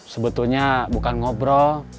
sebetulnya bukan ngobrol